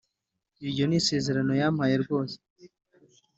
Iryo ni isezera no yampaye ryose